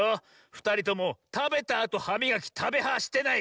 ふたりともたべたあとはみがき「たべは」してない！